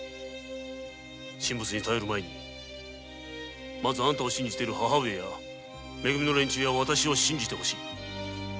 神仏に頼る前にあなたを信じている母上やめ組の連中や私を信じて欲しいのだ。